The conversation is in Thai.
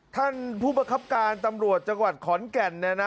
ท่านผู้บัคคัปการตำรวจจังหวัดขอนแก่น